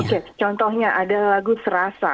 oke contohnya ada lagu serasa